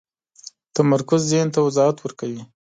تمرکز ذهن ته وضاحت ورکوي.